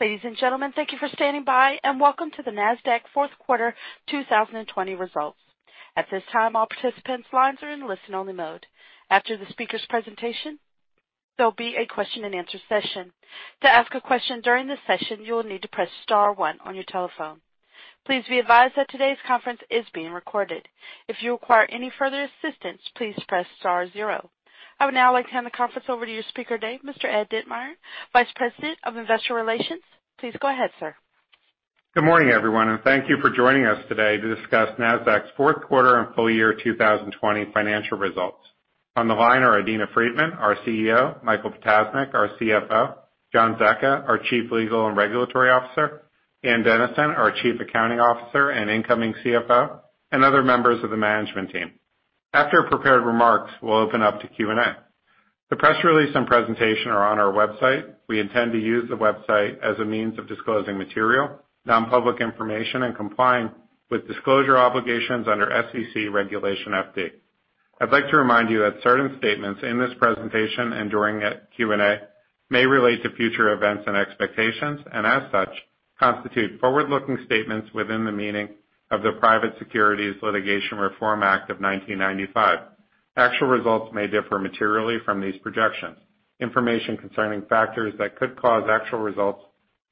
Ladies and gentlemen, thank you for standing by, and welcome to the Nasdaq fourth quarter 2020 results. At this time, all participants' lines are in listen only mode. After the speakers' presentation, there will be a question-and-answer session. To ask a question during the session, you will need to press star one on your telephone. Please be advised that today's conference is being recorded. If you require any further assistance, please press star zero. I would now like to hand the conference over to your speaker today, Mr. Ed Ditmire, Vice President of Investor Relations. Please go ahead, sir. Good morning, everyone. Thank you for joining us today to discuss Nasdaq's fourth quarter and full year 2020 financial results. On the line are Adena Friedman, our CEO, Michael Ptasznik, our CFO, John Zecca, our Chief Legal and Regulatory Officer, Ann Dennison, our Chief Accounting Officer and incoming CFO, and other members of the management team. After prepared remarks, we'll open up to Q&A. The press release and presentation are on our website. We intend to use the website as a means of disclosing material, non-public information, and complying with disclosure obligations under SEC Regulation FD. I'd like to remind you that certain statements in this presentation and during Q&A may relate to future events and expectations, and as such, constitute forward-looking statements within the meaning of the Private Securities Litigation Reform Act of 1995. Actual results may differ materially from these projections. Information concerning factors that could cause actual results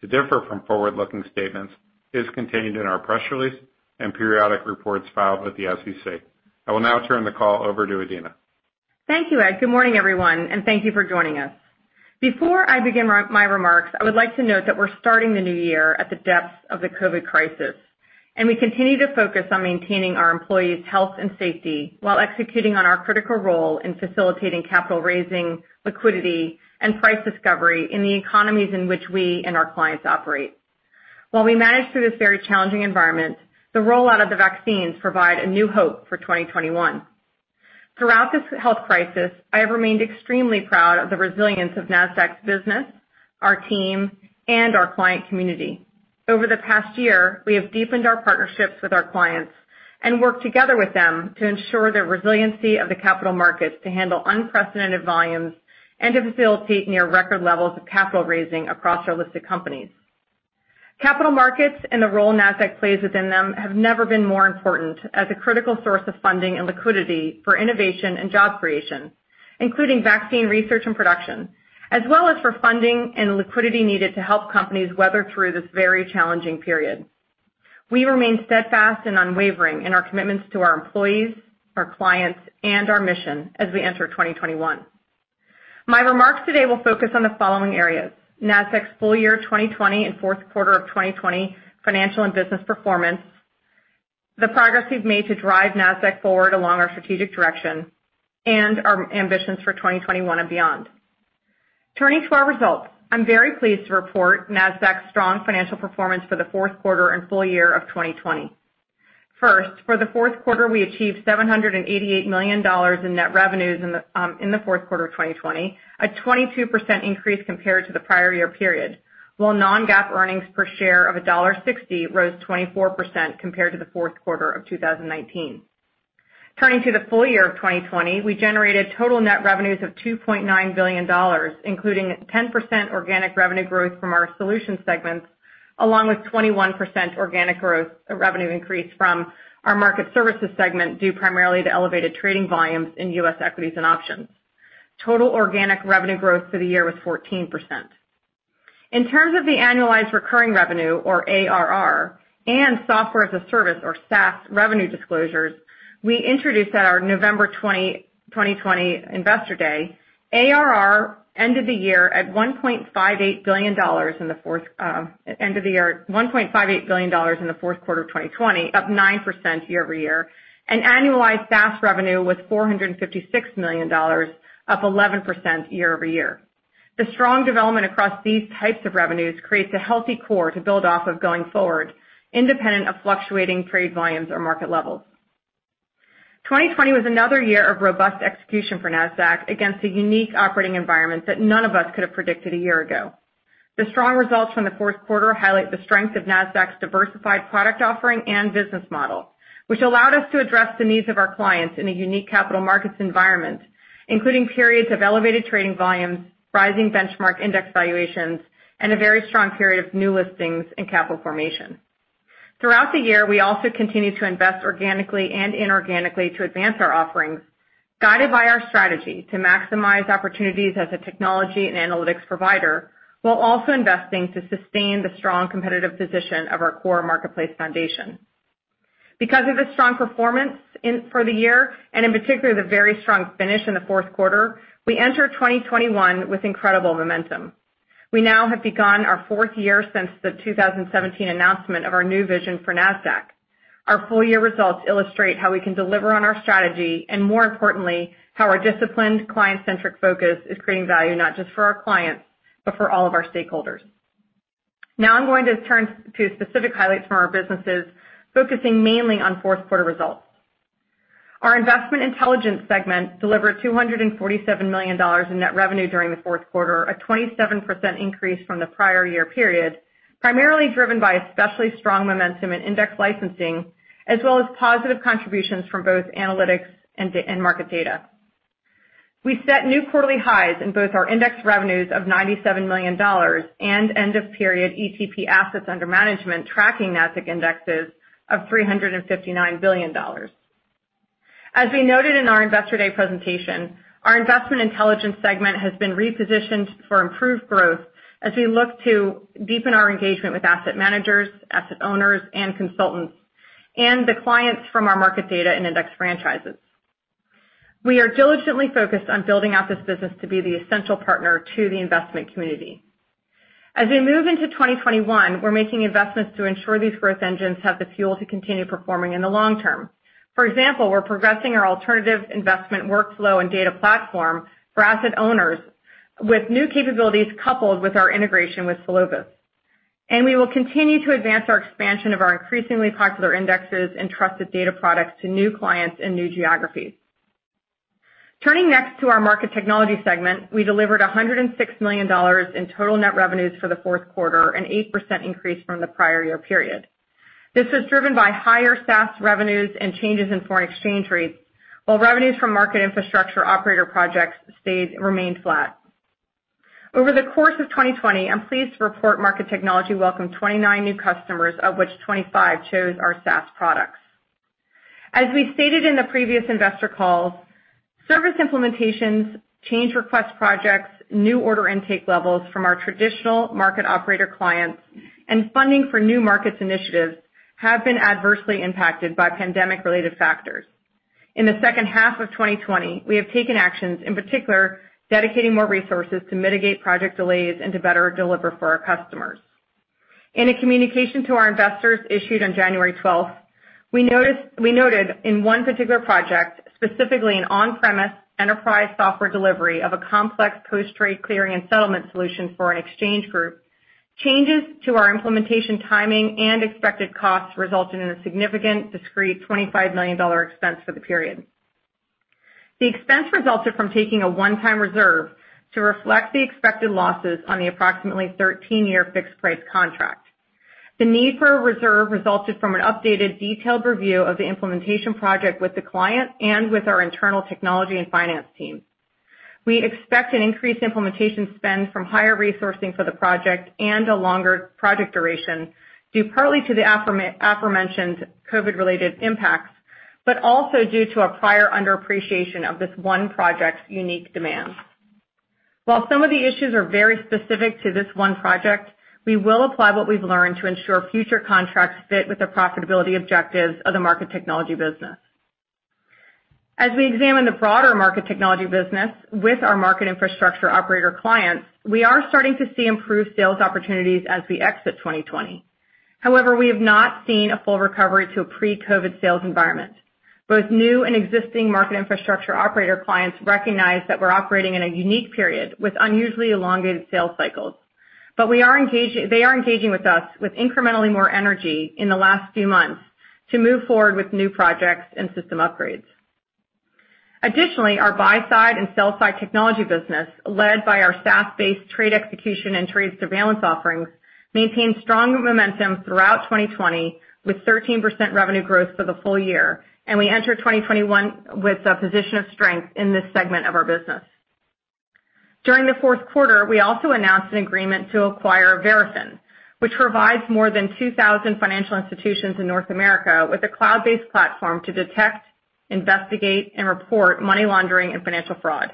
to differ from forward-looking statements is contained in our press release and periodic reports filed with the SEC. I will now turn the call over to Adena. Thank you, Ed. Good morning, everyone, thank you for joining us. Before I begin my remarks, I would like to note that we're starting the new year at the depths of the COVID-19 crisis, we continue to focus on maintaining our employees' health and safety while executing on our critical role in facilitating capital raising, liquidity, and price discovery in the economies in which we and our clients operate. While we manage through this very challenging environment, the rollout of the vaccines provide a new hope for 2021. Throughout this health crisis, I have remained extremely proud of the resilience of Nasdaq's business, our team, and our client community. Over the past year, we have deepened our partnerships with our clients and worked together with them to ensure the resiliency of the capital markets to handle unprecedented volumes and to facilitate near record levels of capital raising across our listed companies. Capital markets and the role Nasdaq plays within them have never been more important as a critical source of funding and liquidity for innovation and job creation, including vaccine research and production, as well as for funding and liquidity needed to help companies weather through this very challenging period. We remain steadfast and unwavering in our commitments to our employees, our clients, and our mission as we enter 2021. My remarks today will focus on the following areas: Nasdaq's full year 2020 and fourth quarter of 2020 financial and business performance, the progress we've made to drive Nasdaq forward along our strategic direction, and our ambitions for 2021 and beyond. Turning to our results, I'm very pleased to report Nasdaq's strong financial performance for the fourth quarter and full year of 2020. First, for the fourth quarter, we achieved $788 million in net revenues in the fourth quarter of 2020, a 22% increase compared to the prior year period, while non-GAAP EPS of $1.60 rose 24% compared to the fourth quarter of 2019. Turning to the full year of 2020, we generated total net revenues of $2.9 billion, including 10% organic revenue growth from our solutions segments, along with 21% organic growth revenue increase from our market services segment, due primarily to elevated trading volumes in U.S. equities and options. Total organic revenue growth for the year was 14%. In terms of the annualized recurring revenue or ARR and software as a service or SaaS revenue disclosures we introduced at our November 2020 investor day, ARR ended the year at $1.58 billion in the fourth quarter of 2020, up 9% year-over-year, and annualized SaaS revenue was $456 million, up 11% year-over-year. The strong development across these types of revenues creates a healthy core to build off of going forward, independent of fluctuating trade volumes or market levels. 2020 was another year of robust execution for Nasdaq against a unique operating environment that none of us could have predicted a year ago. The strong results from the fourth quarter highlight the strength of Nasdaq's diversified product offering and business model, which allowed us to address the needs of our clients in a unique capital markets environment, including periods of elevated trading volumes, rising benchmark index valuations, and a very strong period of new listings and capital formation. Throughout the year, we also continued to invest organically and inorganically to advance our offerings, guided by our strategy to maximize opportunities as a technology and analytics provider while also investing to sustain the strong competitive position of our core marketplace foundation. Because of the strong performance for the year, and in particular, the very strong finish in the fourth quarter, we enter 2021 with incredible momentum. We now have begun our fourth year since the 2017 announcement of our new vision for Nasdaq. Our full year results illustrate how we can deliver on our strategy and, more importantly, how our disciplined client-centric focus is creating value not just for our clients, but for all of our stakeholders. Now I'm going to turn to specific highlights from our businesses, focusing mainly on fourth quarter results. Our Investment Intelligence segment delivered $247 million in net revenue during the fourth quarter, a 27% increase from the prior year period, primarily driven by especially strong momentum in index licensing, as well as positive contributions from both analytics and market data. We set new quarterly highs in both our index revenues of $97 million and end-of-period ETP assets under management, tracking Nasdaq indexes of $359 billion. As we noted in our Investor Day presentation, our Investment Intelligence segment has been repositioned for improved growth as we look to deepen our engagement with asset managers, asset owners, and consultants, and the clients from our market data and index franchises. We are diligently focused on building out this business to be the essential partner to the investment community. As we move into 2021, we're making investments to ensure these growth engines have the fuel to continue performing in the long term. For example, we're progressing our alternative investment workflow and data platform for asset owners with new capabilities, coupled with our integration with Solovis, and we will continue to advance our expansion of our increasingly popular indexes and trusted data products to new clients in new geographies. Turning next to our Market Technology segment, we delivered $106 million in total net revenues for the fourth quarter, an 8% increase from the prior year period. This was driven by higher SaaS revenues and changes in foreign exchange rates, while revenues from market infrastructure operator projects remained flat. Over the course of 2020, I am pleased to report Market Technology welcomed 29 new customers, of which 25 chose our SaaS products. As we stated in the previous investor call, service implementations, change request projects, new order intake levels from our traditional market operator clients, and funding for new markets initiatives have been adversely impacted by pandemic-related factors. In the second half of 2020, we have taken actions, in particular, dedicating more resources to mitigate project delays and to better deliver for our customers. In a communication to our investors issued on January 12th, we noted in one particular project, specifically an on-premise enterprise software delivery of a complex post-trade clearing and settlement solution for an exchange group, changes to our implementation timing and expected costs resulted in a significant discrete $25 million expense for the period. The expense resulted from taking a one-time reserve to reflect the expected losses on the approximately 13-year fixed price contract. The need for a reserve resulted from an updated detailed review of the implementation project with the client and with our internal technology and finance team. We expect an increased implementation spend from higher resourcing for the project and a longer project duration, due partly to the aforementioned COVID-related impacts, but also due to a prior underappreciation of this one project's unique demands. While some of the issues are very specific to this one project, we will apply what we've learned to ensure future contracts fit with the profitability objectives of the Market Tech business. As we examine the broader Market Tech business with our market infrastructure operator clients, we are starting to see improved sales opportunities as we exit 2020. We have not seen a full recovery to a pre-COVID-19 sales environment. Both new and existing market infrastructure operator clients recognize that we're operating in a unique period with unusually elongated sales cycles. They are engaging with us with incrementally more energy in the last few months to move forward with new projects and system upgrades. Additionally, our buy-side and sell-side technology business, led by our SaaS-based trade execution and trade surveillance offerings, maintained strong momentum throughout 2020 with 13% revenue growth for the full year, and we enter 2021 with a position of strength in this segment of our business. During the fourth quarter, we also announced an agreement to acquire Verafin, which provides more than 2,000 financial institutions in North America with a cloud-based platform to detect, investigate, and report money laundering and financial fraud.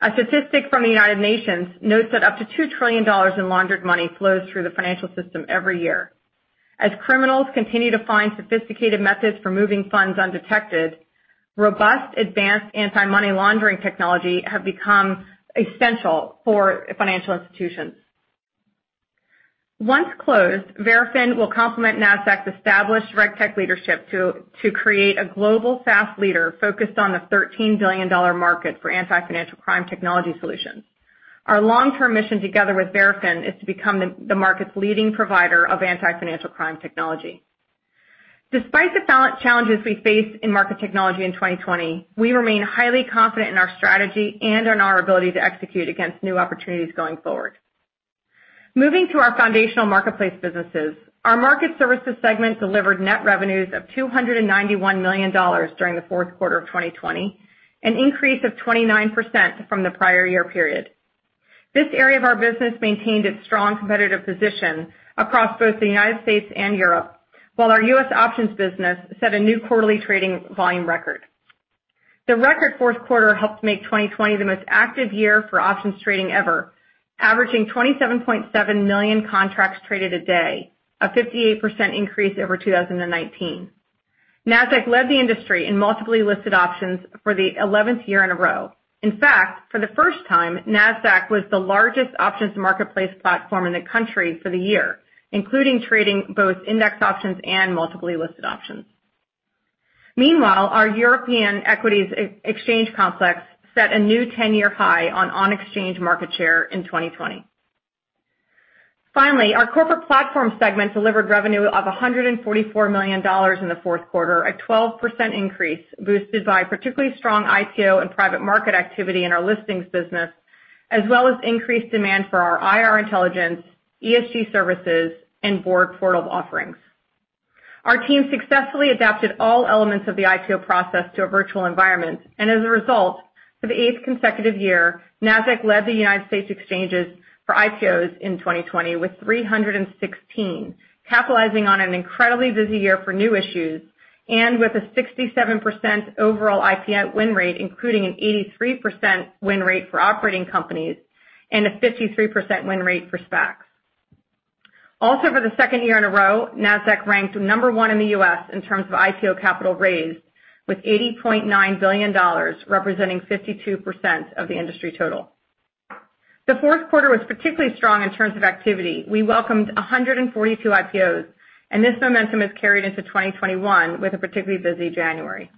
A statistic from the United Nations notes that up to $2 trillion in laundered money flows through the financial system every year. As criminals continue to find sophisticated methods for moving funds undetected, robust advanced anti-money laundering technology have become essential for financial institutions. Once closed, Verafin will complement Nasdaq's established RegTech leadership to create a global SaaS leader focused on the $13 billion market for anti-financial crime technology solutions. Our long-term mission together with Verafin is to become the market's leading provider of anti-financial crime technology. Despite the challenges we faced in Market Technology in 2020, we remain highly confident in our strategy and in our ability to execute against new opportunities going forward. Moving to our foundational marketplace businesses, our Market Services segment delivered net revenues of $291 million during the fourth quarter of 2020, an increase of 29% from the prior year period. This area of our business maintained its strong competitive position across both the United States and Europe, while our U.S. options business set a new quarterly trading volume record. The record fourth quarter helped make 2020 the most active year for options trading ever, averaging 27.7 million contracts traded a day, a 58% increase over 2019. Nasdaq led the industry in multiply listed options for the 11th year in a row. In fact, for the first time, Nasdaq was the largest options marketplace platform in the country for the year, including trading both index options and multiply listed options. Meanwhile, our European equities exchange complex set a new 10-year high on on-exchange market share in 2020. Finally, our Corporate Platform segment delivered revenue of $144 million in the fourth quarter, a 12% increase, boosted by particularly strong IPO and private market activity in our listings business, as well as increased demand for our IR intelligence, ESG services, and board portal offerings. As a result, for the eighth consecutive year, Nasdaq led the U.S. exchanges for IPOs in 2020 with 316, capitalizing on an incredibly busy year for new issues, and with a 67% overall IPO win rate, including an 83% win rate for operating companies and a 53% win rate for SPACs. For the second year in a row, Nasdaq ranked number 1 in the U.S. in terms of IPO capital raised with $80.9 billion, representing 52% of the industry total. The fourth quarter was particularly strong in terms of activity. We welcomed 142 IPOs, and this momentum is carried into 2021 with a particularly busy January.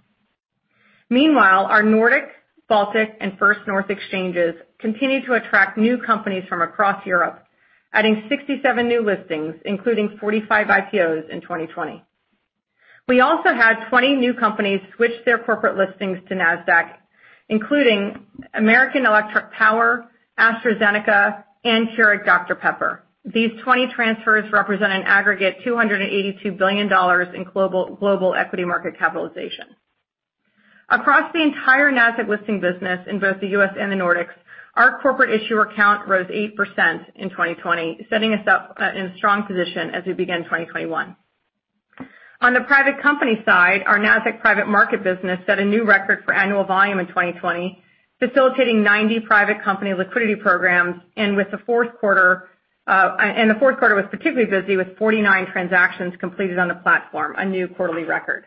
Meanwhile, our Nordic, Baltic, and First North exchanges continued to attract new companies from across Europe, adding 67 new listings, including 45 IPOs in 2020. We also had 20 new companies switch their corporate listings to Nasdaq, including American Electric Power, AstraZeneca, and Keurig Dr Pepper. These 20 transfers represent an aggregate $282 billion in global equity market capitalization. Across the entire Nasdaq listing business in both the U.S. and the Nordics, our corporate issuer count rose 8% in 2020, setting us up in a strong position as we begin 2021. On the private company side, our Nasdaq Private Market business set a new record for annual volume in 2020, facilitating 90 private company liquidity programs and the fourth quarter was particularly busy with 49 transactions completed on the platform, a new quarterly record.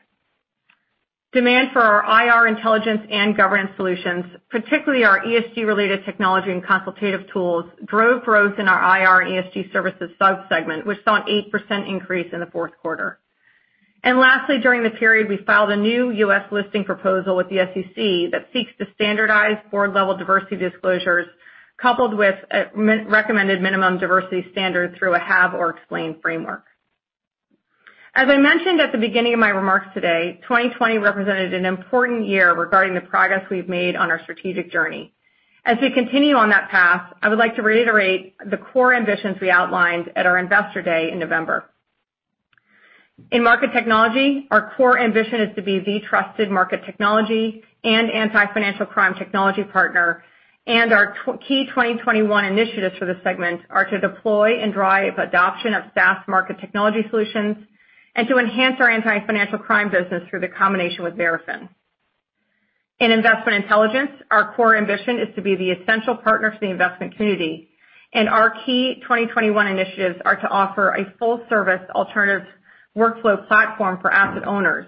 Demand for our IR intelligence and governance solutions, particularly our ESG-related technology and consultative tools, drove growth in our IR ESG services sub-segment, which saw an 8% increase in the fourth quarter. Lastly, during the period, we filed a new U.S. listing proposal with the SEC that seeks to standardize board-level diversity disclosures coupled with recommended minimum diversity standards through a have or explain framework. As I mentioned at the beginning of my remarks today, 2020 represented an important year regarding the progress we've made on our strategic journey. As we continue on that path, I would like to reiterate the core ambitions we outlined at our Investor Day in November. In Market Technology, our core ambition is to be the trusted Market Technology and anti-financial crime technology partner, and our key 2021 initiatives for the segment are to deploy and drive adoption of SaaS Market Technology solutions and to enhance our anti-financial crime business through the combination with Verafin. In Investment Intelligence, our core ambition is to be the essential partner for the investment community, and our key 2021 initiatives are to offer a full-service alternative workflow platform for asset owners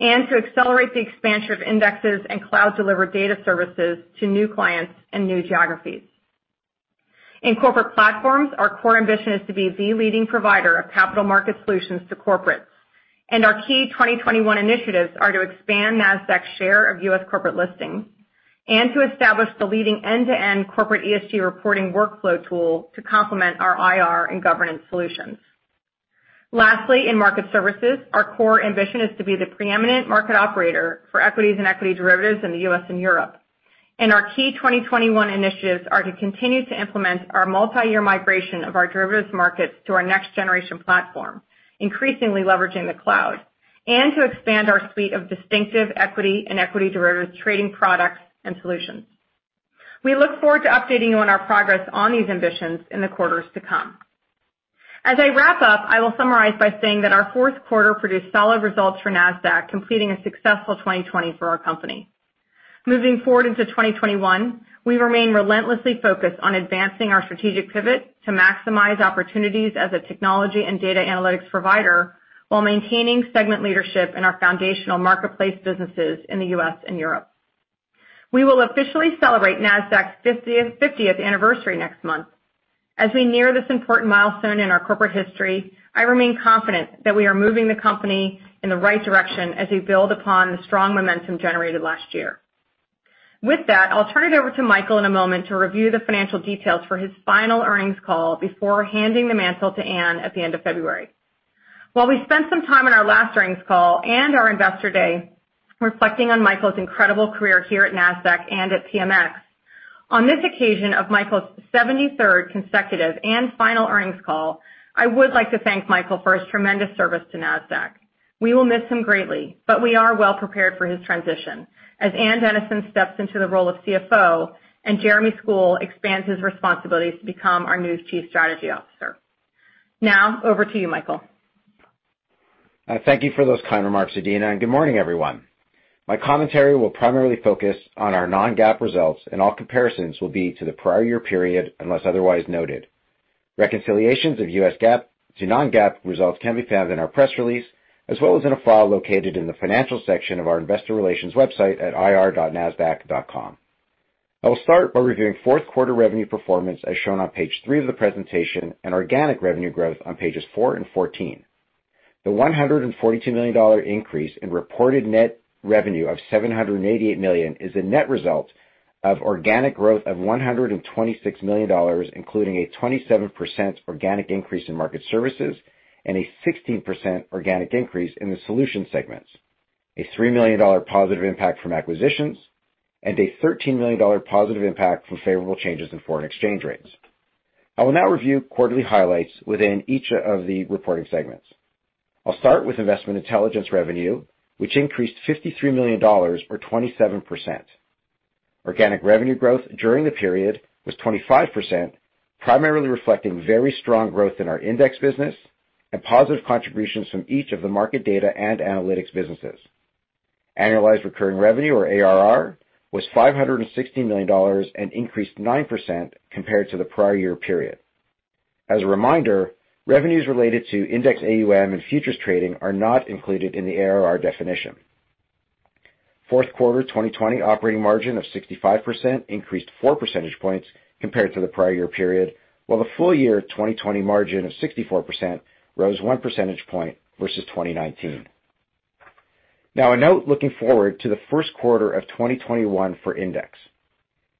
and to accelerate the expansion of indexes and cloud-delivered data services to new clients and new geographies. In Corporate Platforms, our core ambition is to be the leading provider of capital market solutions to corporates, our key 2021 initiatives are to expand Nasdaq's share of U.S. corporate listings and to establish the leading end-to-end corporate ESG reporting workflow tool to complement our IR and governance solutions. Lastly, in market services, our core ambition is to be the preeminent market operator for equities and equity derivatives in the U.S. and Europe. Our key 2021 initiatives are to continue to implement our multi-year migration of our derivatives markets to our next-generation platform, increasingly leveraging the cloud, and to expand our suite of distinctive equity and equity derivatives trading products and solutions. We look forward to updating you on our progress on these ambitions in the quarters to come. As I wrap up, I will summarize by saying that our fourth quarter produced solid results for Nasdaq, completing a successful 2020 for our company. Moving forward into 2021, we remain relentlessly focused on advancing our strategic pivot to maximize opportunities as a technology and data analytics provider while maintaining segment leadership in our foundational marketplace businesses in the U.S. and Europe. We will officially celebrate Nasdaq's 50th anniversary next month. As we near this important milestone in our corporate history, I remain confident that we are moving the company in the right direction as we build upon the strong momentum generated last year. With that, I'll turn it over to Michael in a moment to review the financial details for his final earnings call before handing the mantle to Ann at the end of February. While we spent some time on our last earnings call and our Investor Day reflecting on Michael's incredible career here at Nasdaq and at TMX, on this occasion of Michael's 73rd consecutive and final earnings call, I would like to thank Michael for his tremendous service to Nasdaq. We will miss him greatly, but we are well prepared for his transition as Ann Dennison steps into the role of CFO and Jeremy Skule expands his responsibilities to become our new Chief Strategy Officer. Now, over to you, Michael. Thank you for those kind remarks, Adena, and good morning, everyone. My commentary will primarily focus on our non-GAAP results, and all comparisons will be to the prior year period unless otherwise noted. Reconciliations of US GAAP to non-GAAP results can be found in our press release, as well as in a file located in the financial section of our investor relations website at ir.nasdaq.com. I will start by reviewing fourth quarter revenue performance as shown on page three of the presentation and organic revenue growth on pages four and 14. The $142 million increase in reported net revenue of $788 million is a net result of organic growth of $126 million, including a 27% organic increase in market services and a 16% organic increase in the solution segments, a $3 million positive impact from acquisitions, and a $13 million positive impact from favorable changes in foreign exchange rates. I will now review quarterly highlights within each of the reporting segments. I'll start with Investment Intelligence revenue, which increased $53 million, or 27%. Organic revenue growth during the period was 25%, primarily reflecting very strong growth in our index business and positive contributions from each of the market data and analytics businesses. Annualized recurring revenue, or ARR, was $560 million and increased 9% compared to the prior year period. As a reminder, revenues related to index AUM and futures trading are not included in the ARR definition. Fourth quarter 2020 operating margin of 65% increased 4 percentage points compared to the prior year period, while the full year 2020 margin of 64% rose 1 percentage point versus 2019. Now, a note looking forward to the first quarter of 2021 for index.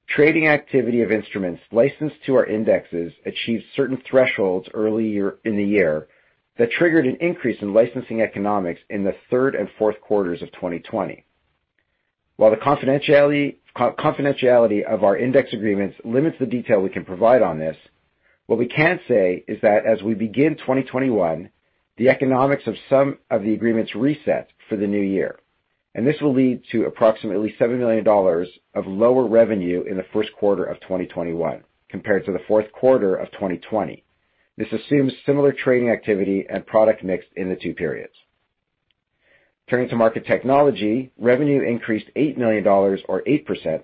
Trading activity of instruments licensed to our indexes achieved certain thresholds early in the year that triggered an increase in licensing economics in the third and fourth quarters of 2020. While the confidentiality of our index agreements limits the detail we can provide on this, what we can say is that as we begin 2021, the economics of some of the agreements reset for the new year, and this will lead to approximately $7 million of lower revenue in the first quarter of 2021 compared to the fourth quarter of 2020. This assumes similar trading activity and product mix in the two periods. Turning to Market Tech, revenue increased $8 million, or 8%.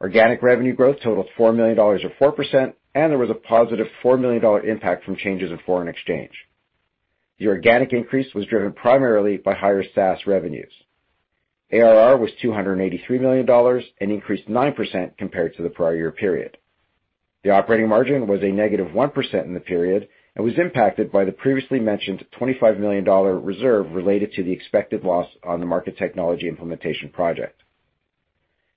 Organic revenue growth totaled $4 million, or 4%, and there was a positive $4 million impact from changes in foreign exchange. The organic increase was driven primarily by higher SaaS revenues. ARR was $283 million and increased 9% compared to the prior year period. The operating margin was a -1% in the period and was impacted by the previously mentioned $25 million reserve related to the expected loss on the Market Tech implementation project.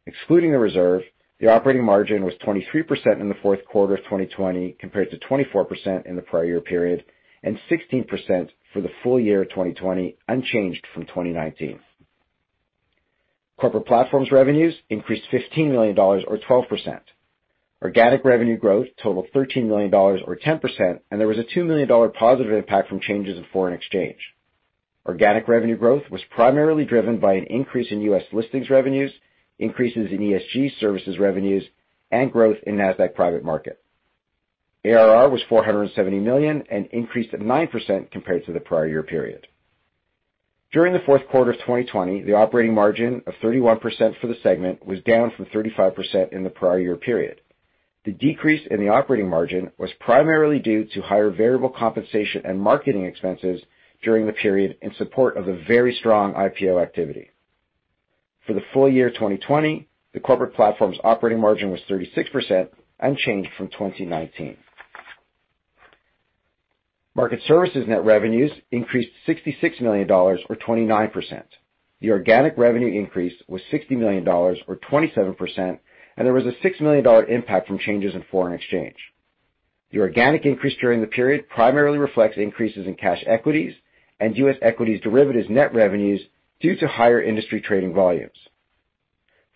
Excluding the reserve, the operating margin was 23% in the fourth quarter of 2020 compared to 24% in the prior year period and 16% for the full year 2020, unchanged from 2019. Corporate Platforms revenues increased $15 million, or 12%. Organic revenue growth totaled $13 million, or 10%, and there was a $2 million positive impact from changes in foreign exchange. Organic revenue growth was primarily driven by an increase in U.S. listings revenues, increases in ESG services revenues, and growth in Nasdaq Private Market. ARR was $470 million and increased 9% compared to the prior year period. During the fourth quarter of 2020, the operating margin of 31% for the segment was down from 35% in the prior year period. The decrease in the operating margin was primarily due to higher variable compensation and marketing expenses during the period in support of the very strong IPO activity. For the full year 2020, the corporate platform's operating margin was 36%, unchanged from 2019. Market Services net revenues increased $66 million, or 29%. The organic revenue increase was $60 million, or 27%, and there was a $6 million impact from changes in foreign exchange. The organic increase during the period primarily reflects increases in cash equities and US equities derivatives net revenues due to higher industry trading volumes.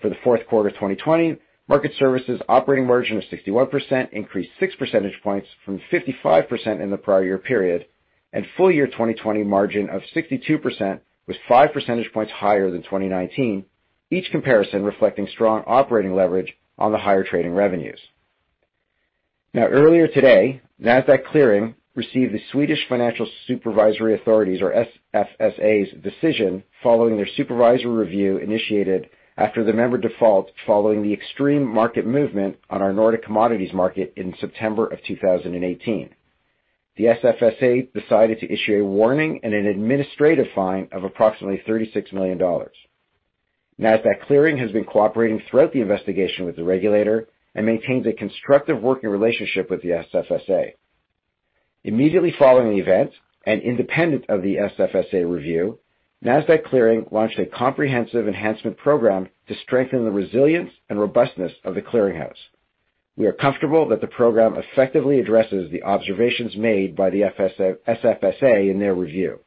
For the fourth quarter 2020, market services operating margin of 61% increased 6 percentage points from 55% in the prior year period, and full year 2020 margin of 62% was 5 percentage points higher than 2019, each comparison reflecting strong operating leverage on the higher trading revenues. Earlier today, Nasdaq Clearing received the Swedish Financial Supervisory Authority's, or SFSA's, decision following their supervisory review initiated after the member default following the extreme market movement on our Nordic commodities market in September of 2018. The SFSA decided to issue a warning and an administrative fine of approximately $36 million. Nasdaq Clearing has been cooperating throughout the investigation with the regulator and maintains a constructive working relationship with the SFSA. Immediately following the event, and independent of the SFSA review, Nasdaq Clearing launched a comprehensive enhancement program to strengthen the resilience and robustness of the clearinghouse. We are comfortable that the program effectively addresses the observations made by the SFSA in their review.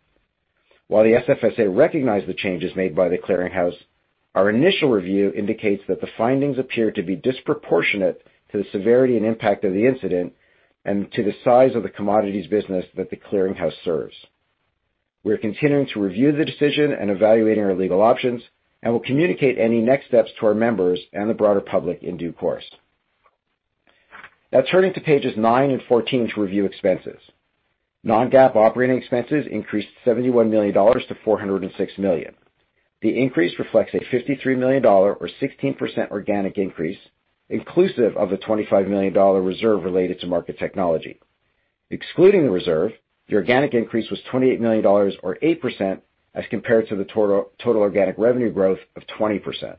While the SFSA recognized the changes made by the clearinghouse, our initial review indicates that the findings appear to be disproportionate to the severity and impact of the incident and to the size of the commodities business that the clearinghouse serves. We're continuing to review the decision and evaluating our legal options and will communicate any next steps to our members and the broader public in due course. Turning to pages nine and 14 to review expenses. non-GAAP operating expenses increased $71 million to $406 million. The increase reflects a $53 million or 16% organic increase, inclusive of the $25 million reserve related to Market Technology. Excluding the reserve, the organic increase was $28 million or 8% as compared to the total organic revenue growth of 20%.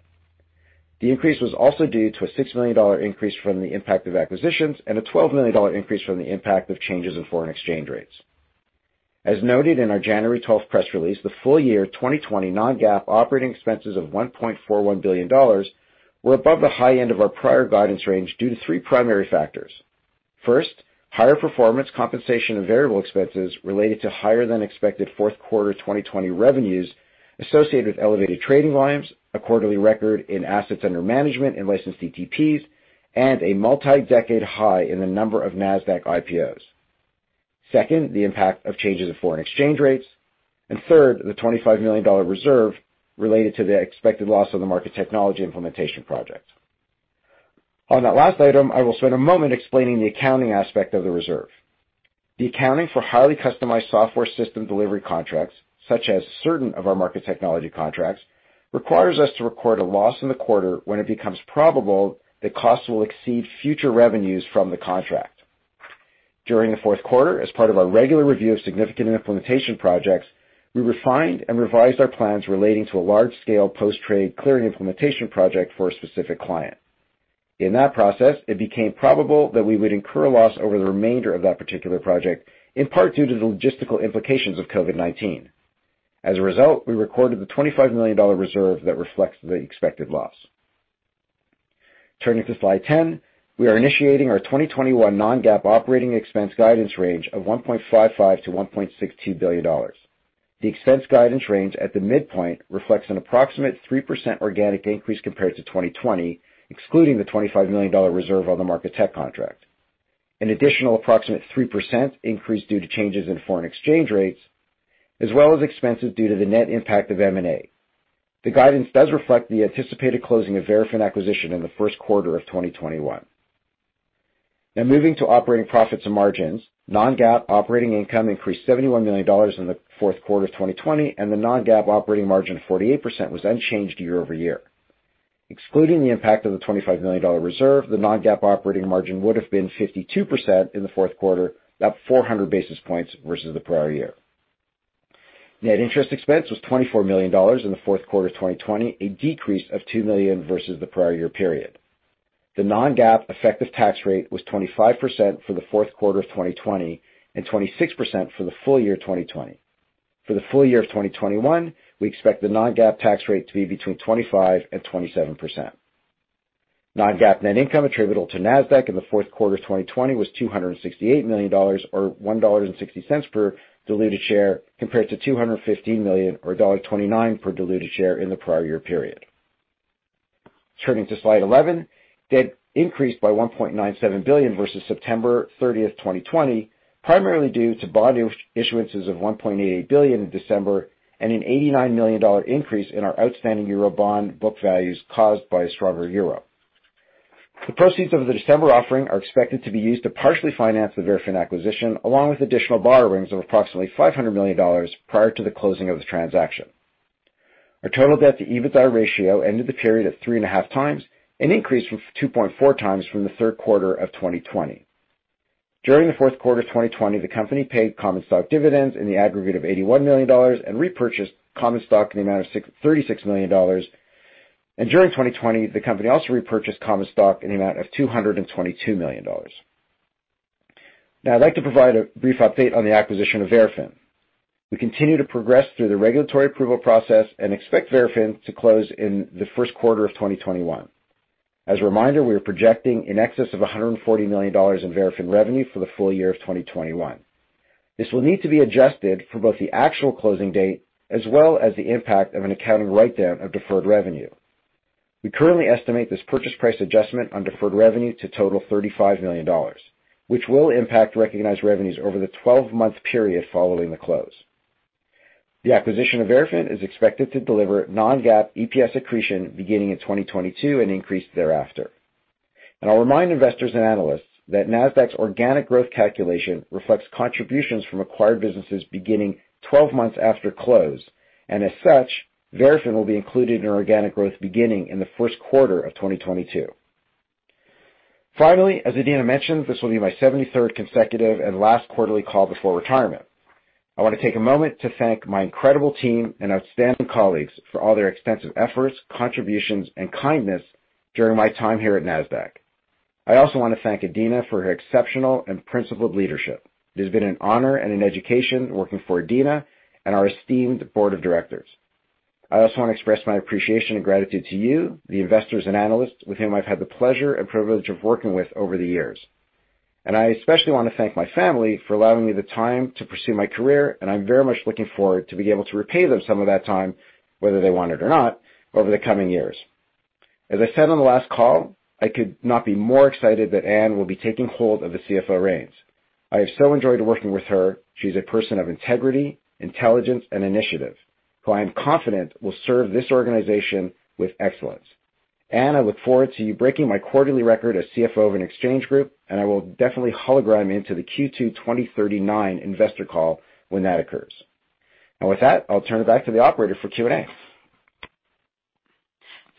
The increase was also due to a $6 million increase from the impact of acquisitions and a $12 million increase from the impact of changes in foreign exchange rates. As noted in our January 12th press release, the full year 2020 non-GAAP operating expenses of $1.41 billion were above the high end of our prior guidance range due to three primary factors. First, higher performance, compensation, and variable expenses related to higher-than-expected fourth quarter 2020 revenues associated with elevated trading volumes, a quarterly record in assets under management and licensed ETPs, and a multi-decade high in the number of Nasdaq IPOs. Second, the impact of changes of foreign exchange rates. Third, the $25 million reserve related to the expected loss of the Market Technology implementation project. On that last item, I will spend a moment explaining the accounting aspect of the reserve. The accounting for highly customized software system delivery contracts, such as certain of our market technology contracts, requires us to record a loss in the quarter when it becomes probable that costs will exceed future revenues from the contract. During the fourth quarter, as part of our regular review of significant implementation projects, we refined and revised our plans relating to a large-scale post-trade clearing implementation project for a specific client. In that process, it became probable that we would incur a loss over the remainder of that particular project, in part due to the logistical implications of COVID-19. As a result, we recorded the $25 million reserve that reflects the expected loss. Turning to slide 10, we are initiating our 2021 non-GAAP operating expense guidance range of $1.55 billion-$1.62 billion. The expense guidance range at the midpoint reflects an approximate 3% organic increase compared to 2020, excluding the $25 million reserve on the Market Tech contract, an additional approximate 3% increase due to changes in foreign exchange rates, as well as expenses due to the net impact of M&A. The guidance does reflect the anticipated closing of Verafin acquisition in the first quarter of 2021. Moving to operating profits and margins. Non-GAAP operating income increased $71 million in the fourth quarter of 2020, and the non-GAAP operating margin of 48% was unchanged year-over-year. Excluding the impact of the $25 million reserve, the non-GAAP operating margin would've been 52% in the fourth quarter, up 400 basis points versus the prior year. Net interest expense was $24 million in the fourth quarter of 2020, a decrease of $2 million versus the prior year period. The non-GAAP effective tax rate was 25% for the fourth quarter of 2020 and 26% for the full year 2020. For the full year of 2021, we expect the non-GAAP tax rate to be between 25% and 27%. Non-GAAP net income attributable to Nasdaq in the fourth quarter of 2020 was $268 million, or $1.60 per diluted share, compared to $215 million or $1.29 per diluted share in the prior year period. Turning to slide 11, debt increased by $1.97 billion versus September 30th, 2020, primarily due to bond issuances of $1.88 billion in December and an $89 million increase in our outstanding Eurobond book values caused by a stronger euro. The proceeds of the December offering are expected to be used to partially finance the Verafin acquisition, along with additional borrowings of approximately $500 million prior to the closing of the transaction. Our total debt-to-EBITDA ratio ended the period at 3.5x, an increase from 2.4x from the third quarter of 2020. During the fourth quarter of 2020, the company paid common stock dividends in the aggregate of $81 million and repurchased common stock in the amount of $36 million. During 2020, the company also repurchased common stock in the amount of $222 million. Now, I'd like to provide a brief update on the acquisition of Verafin. We continue to progress through the regulatory approval process and expect Verafin to close in the first quarter of 2021. As a reminder, we are projecting in excess of $140 million in Verafin revenue for the full year of 2021. This will need to be adjusted for both the actual closing date as well as the impact of an accounting write-down of deferred revenue. We currently estimate this purchase price adjustment on deferred revenue to total $35 million, which will impact recognized revenues over the 12-month period following the close. The acquisition of Verafin is expected to deliver non-GAAP EPS accretion beginning in 2022 and increase thereafter. I'll remind investors and analysts that Nasdaq's organic growth calculation reflects contributions from acquired businesses beginning 12 months after close. As such, Verafin will be included in our organic growth beginning in the first quarter of 2022. Finally, as Adena mentioned, this will be my 73rd consecutive and last quarterly call before retirement. I want to take a moment to thank my incredible team and outstanding colleagues for all their extensive efforts, contributions, and kindness during my time here at Nasdaq. I also want to thank Adena for her exceptional and principled leadership. It has been an honor and an education working for Adena and our esteemed board of directors. I also want to express my appreciation and gratitude to you, the investors and analysts with whom I've had the pleasure and privilege of working with over the years. I especially want to thank my family for allowing me the time to pursue my career, and I'm very much looking forward to being able to repay them some of that time, whether they want it or not, over the coming years. As I said on the last call, I could not be more excited that Ann will be taking hold of the CFO reins. I have so enjoyed working with her. She's a person of integrity, intelligence, and initiative, who I am confident will serve this organization with excellence. Ann, I look forward to you breaking my quarterly record as CFO of an exchange group, and I will definitely hologram into the Q2 2039 investor call when that occurs. With that, I'll turn it back to the operator for Q&A.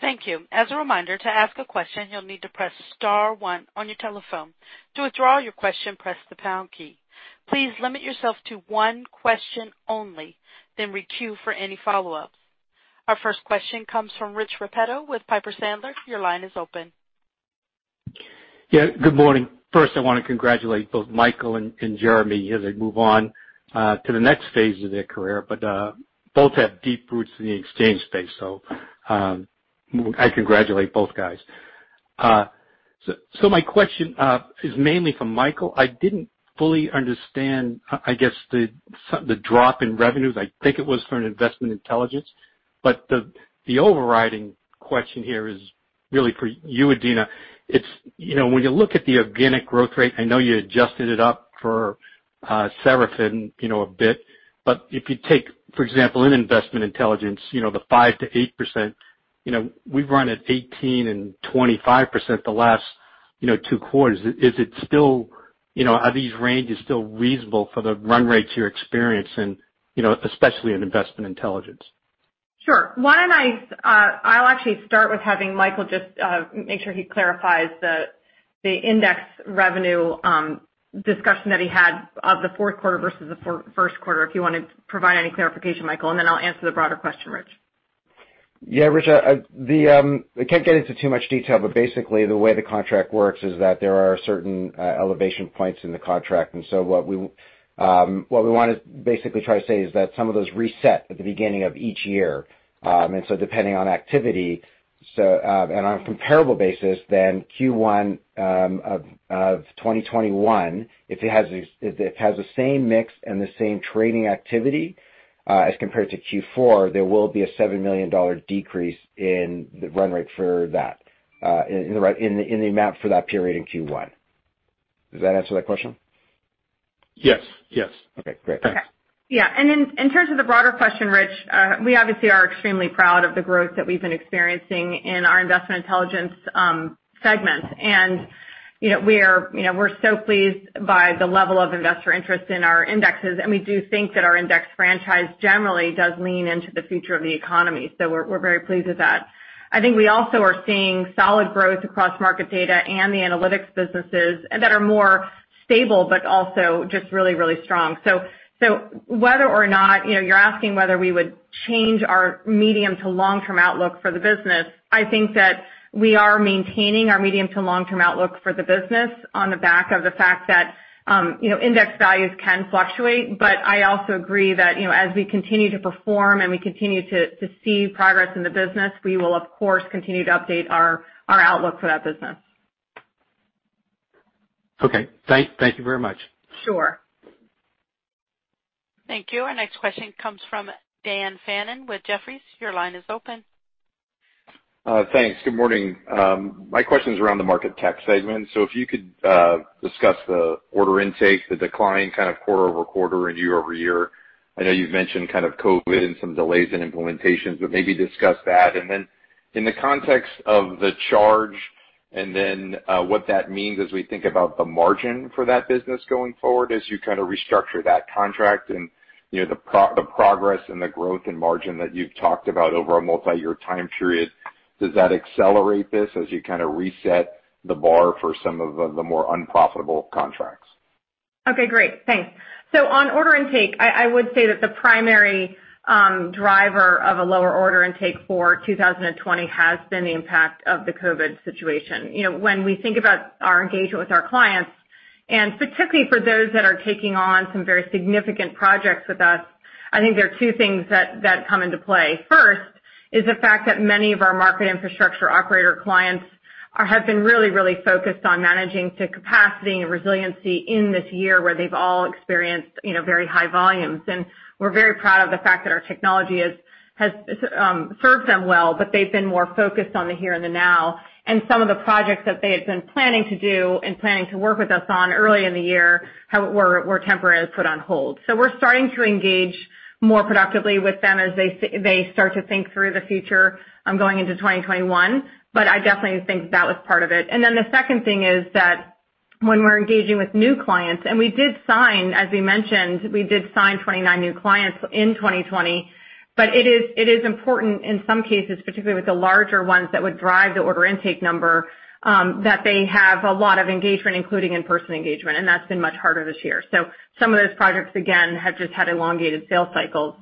Thank you. As a reminder, to ask a question, you'll need to press star one on your telephone. To withdraw your question, press the pound key. Please limit yourself to one question only, then re-queue for any follow-ups. Our first question comes from Rich Repetto with Piper Sandler. Your line is open. Good morning. First, I want to congratulate both Michael and Jeremy as they move on to the next phase of their career. Both have deep roots in the exchange space, so I congratulate both guys. My question is mainly for Michael. I didn't fully understand, I guess, the drop in revenues. I think it was for an Investment Intelligence, but the overriding question here is really for you, Adena. When you look at the organic growth rate, I know you adjusted it up for Verafin a bit. If you take, for example, in Investment Intelligence, the 5%-8%, we've run at 18% and 25% the last two quarters. Are these ranges still reasonable for the run rates you're experiencing, especially in Investment Intelligence? Sure. I'll actually start with having Michael just make sure he clarifies the index revenue discussion that he had of the fourth quarter versus the first quarter. If you want to provide any clarification, Michael, then I'll answer the broader question, Rich. Yeah, Rich. I can't get into too much detail, but basically the way the contract works is that there are certain elevation points in the contract, and so what we want to basically try to say is that some of those reset at the beginning of each year. Depending on activity, and on a comparable basis, then Q1 of 2021, if it has the same mix and the same trading activity as compared to Q4, there will be a $7 million decrease in the run rate in the amount for that period in Q1. Does that answer that question? Yes. Okay, great. Thanks. Okay. Yeah, in terms of the broader question, Rich, we obviously are extremely proud of the growth that we've been experiencing in our Investment Intelligence segment. We're so pleased by the level of investor interest in our indexes, and we do think that our index franchise generally does lean into the future of the economy. We're very pleased with that. I think we also are seeing solid growth across market data and the analytics businesses that are more stable, but also just really, really strong. You're asking whether we would change our medium to long-term outlook for the business. I think that we are maintaining our medium to long-term outlook for the business on the back of the fact that index values can fluctuate. I also agree that as we continue to perform and we continue to see progress in the business, we will of course continue to update our outlook for that business. Okay. Thank you very much. Sure. Thank you. Our next question comes from Dan Fannon with Jefferies. Your line is open. Thanks. Good morning. My question's around the Market Tech segment. If you could discuss the order intake, the decline kind of quarter-over-quarter and year-over-year. I know you've mentioned kind of COVID-19 and some delays in implementations, but maybe discuss that. In the context of the charge and then what that means as we think about the margin for that business going forward as you kind of restructure that contract and the progress and the growth and margin that you've talked about over a multi-year time period, does that accelerate this as you kind of reset the bar for some of the more unprofitable contracts? Okay, great. Thanks. On order intake, I would say that the primary driver of a lower order intake for 2020 has been the impact of the COVID situation. When we think about our engagement with our clients, and particularly for those that are taking on some very significant projects with us, I think there are two things that come into play. First, is the fact that many of our market infrastructure operator clients have been really, really focused on managing to capacity and resiliency in this year where they've all experienced very high volumes. We're very proud of the fact that our technology has served them well, but they've been more focused on the here and the now. Some of the projects that they had been planning to do and planning to work with us on early in the year were temporarily put on hold. We're starting to engage more productively with them as they start to think through the future going into 2021. I definitely think that was part of it. The second thing is that when we're engaging with new clients, and we did sign, as we mentioned, we did sign 29 new clients in 2020. It is important in some cases, particularly with the larger ones that would drive the order intake number, that they have a lot of engagement, including in-person engagement, and that's been much harder this year. Some of those projects, again, have just had elongated sales cycles.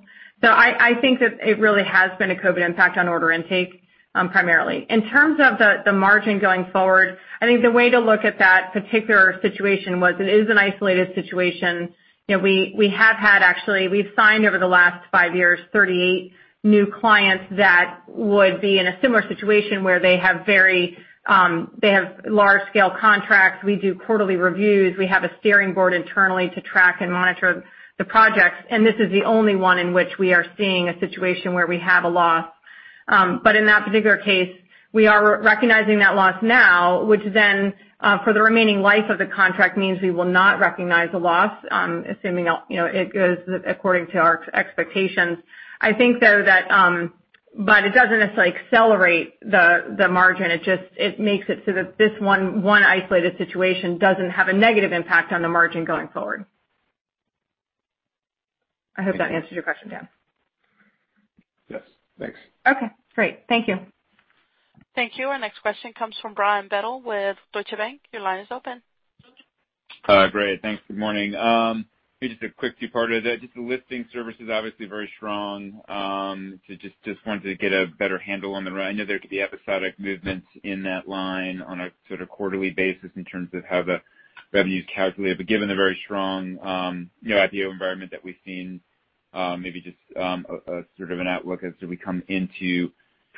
I think that it really has been a COVID impact on order intake, primarily. In terms of the margin going forward, I think the way to look at that particular situation was it is an isolated situation. We've signed over the last five years 38 new clients that would be in a similar situation where they have large-scale contracts. We do quarterly reviews. We have a steering board internally to track and monitor the projects, and this is the only one in which we are seeing a situation where we have a loss. In that particular case, we are recognizing that loss now, which then for the remaining life of the contract means we will not recognize a loss, assuming it goes according to our expectations. It doesn't necessarily accelerate the margin. It makes it so that this one isolated situation doesn't have a negative impact on the margin going forward. I hope that answers your question, Dan. Yes. Thanks. Okay, great. Thank you. Thank you. Our next question comes from Brian Bedell with Deutsche Bank. Your line is open. Great. Thanks. Good morning. Maybe just a quick two-parter there. Just the listing service is obviously very strong. Just wanted to get a better handle on the run. I know there could be episodic movements in that line on a sort of quarterly basis in terms of how the revenue's calculated. Given the very strong IPO environment that we've seen Maybe just sort of an outlook as we come into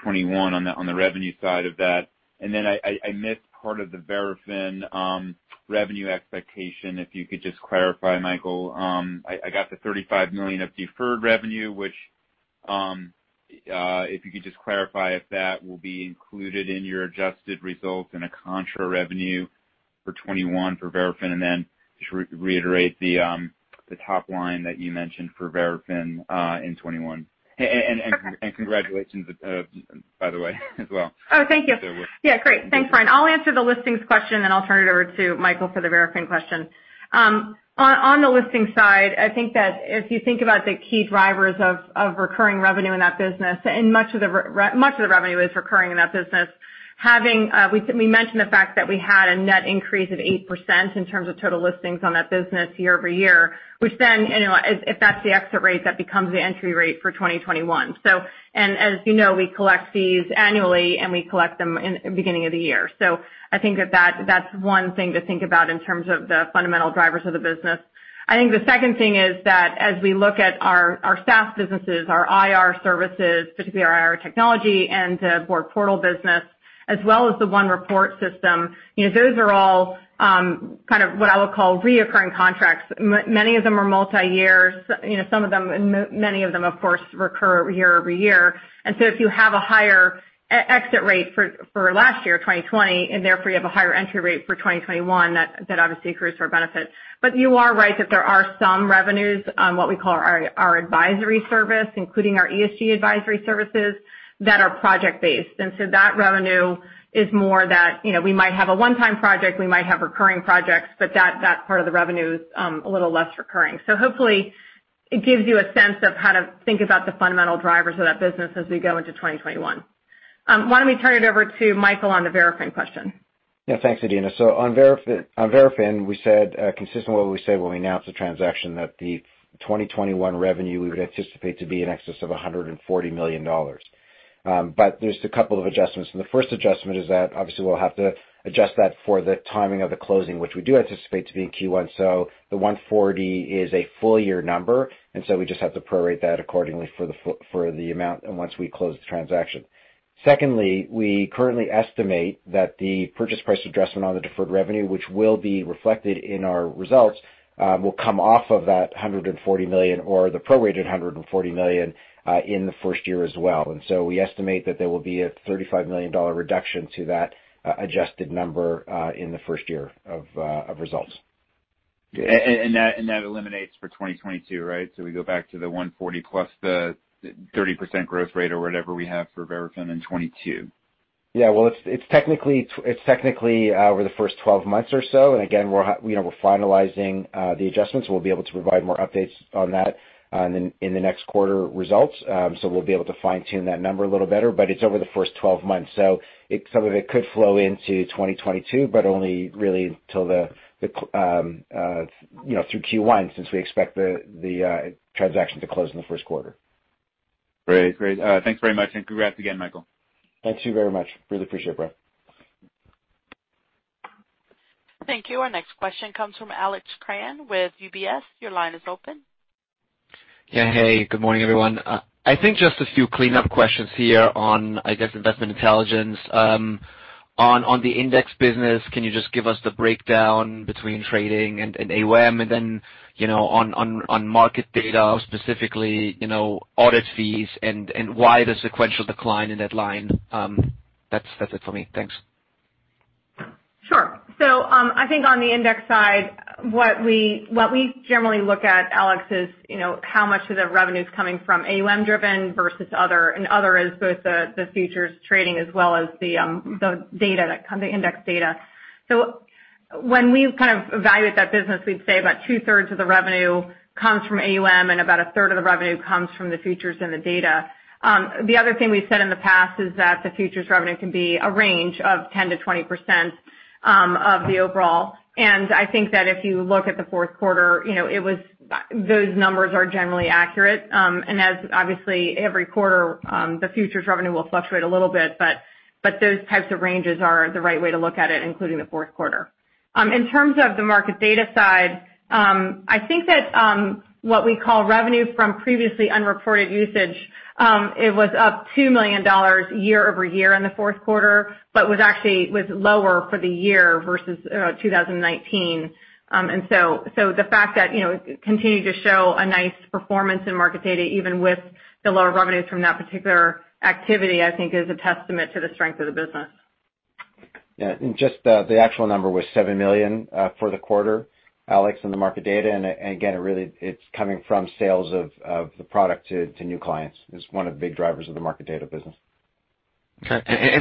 2021 on the revenue side of that. I missed part of the Verafin revenue expectation. If you could just clarify, Michael. I got the $35 million of deferred revenue, which, if you could just clarify if that will be included in your adjusted results in a contra revenue for 2021 for Verafin, and then just reiterate the top line that you mentioned for Verafin in 2021. Okay. Congratulations, by the way, as well. Thank you. Yeah, great. Thanks, Brian. I'll answer the listings question, and I'll turn it over to Michael for the Verafin question. On the listing side, I think that if you think about the key drivers of recurring revenue in that business, and much of the revenue is recurring in that business, we mentioned the fact that we had a net increase of 8% in terms of total listings on that business year-over-year, which then, if that's the exit rate, that becomes the entry rate for 2021. As you know, we collect fees annually, and we collect them in the beginning of the year. I think that that's one thing to think about in terms of the fundamental drivers of the business. I think the second thing is that as we look at our SaaS businesses, our IR services, particularly our IR technology and the board portal business, as well as the OneReport system, those are all kind of what I would call recurring contracts. Many of them are multi-year. Many of them, of course, recur year-over-year. So if you have a higher exit rate for last year, 2020, and therefore you have a higher entry rate for 2021, that obviously accrues to our benefit. You are right that there are some revenues on what we call our advisory service, including our ESG advisory services, that are project-based. So that revenue is more that we might have a one-time project, we might have recurring projects, but that part of the revenue is a little less recurring. Hopefully it gives you a sense of how to think about the fundamental drivers of that business as we go into 2021. Why don't we turn it over to Michael on the Verafin question? Thanks, Adena. On Verafin, we said, consistent with what we said when we announced the transaction, that the 2021 revenue we would anticipate to be in excess of $140 million. There's a couple of adjustments, and the first adjustment is that obviously we'll have to adjust that for the timing of the closing, which we do anticipate to be in Q1. The 140 is a full year number, and we just have to prorate that accordingly for the amount and once we close the transaction. Secondly, we currently estimate that the purchase price adjustment on the deferred revenue, which will be reflected in our results, will come off of that $140 million or the prorated $140 million in the first year as well. We estimate that there will be a $35 million reduction to that adjusted number in the first year of results. That eliminates for 2022, right? We go back to the $140 plus the 30% growth rate or whatever we have for Verafin in 2022. Well, it's technically over the first 12 months or so. Again, we're finalizing the adjustments. We'll be able to provide more updates on that in the next quarter results. We'll be able to fine-tune that number a little better. It's over the first 12 months, some of it could flow into 2022, but only really through Q1, since we expect the transaction to close in the first quarter. Great. Thanks very much, and congrats again, Michael. Thank you very much. Really appreciate it, Brian. Thank you. Our next question comes from Alex Kramm with UBS. Your line is open. Yeah. Hey, good morning, everyone. I think just a few cleanup questions here on, I guess, Investment Intelligence. On the index business, can you just give us the breakdown between trading and AUM? On market data, specifically audit fees and why the sequential decline in that line? That's it for me. Thanks. Sure. I think on the index side, what we generally look at, Alex, is how much of the revenue's coming from AUM-driven versus other, and other is both the futures trading as well as the index data. When we kind of evaluate that business, we'd say about two-thirds of the revenue comes from AUM and about a third of the revenue comes from the futures and the data. The other thing we've said in the past is that the futures revenue can be a range of 10%-20% of the overall. I think that if you look at the fourth quarter, those numbers are generally accurate. As, obviously, every quarter, the futures revenue will fluctuate a little bit, but those types of ranges are the right way to look at it, including the fourth quarter. In terms of the market data side, I think that what we call revenue from previously unreported usage, it was up $2 million year-over-year in the fourth quarter, but was actually lower for the year versus 2019. The fact that it continued to show a nice performance in market data, even with the lower revenues from that particular activity, I think is a testament to the strength of the business. Yeah. Just the actual number was $7 million for the quarter, Alex, in the market data. Again, really, it's coming from sales of the product to new clients. It's one of the big drivers of the market data business. Okay.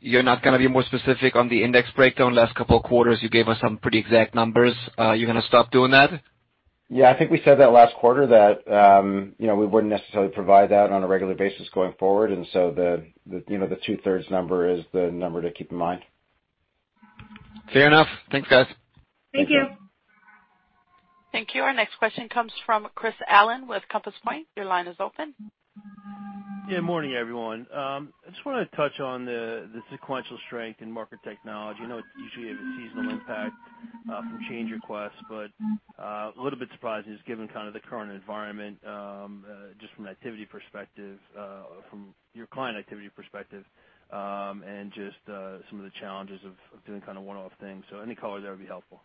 You're not going to be more specific on the index breakdown? Last couple of quarters, you gave us some pretty exact numbers. Are you going to stop doing that? Yeah. I think we said that last quarter that we wouldn't necessarily provide that on a regular basis going forward. The two-thirds number is the number to keep in mind. Fair enough. Thanks, guys. Thank you. Thank you. Thank you. Our next question comes from Chris Allen with Compass Point. Your line is open. Morning, everyone. I just want to touch on the sequential strength in Market Tech. I know it's usually a seasonal impact from change requests, but a little bit surprised just given kind of the current environment, just from an activity perspective, from your client activity perspective, and just some of the challenges of doing kind of one-off things. Any color there would be helpful.